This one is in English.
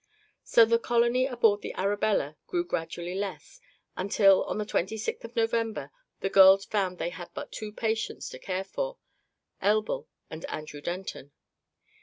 So the colony aboard the Arabella grew gradually less, until on the twenty sixth of November the girls found they had but two patients to care for Elbl and Andrew Denton.